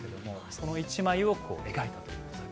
その１枚を描いたという。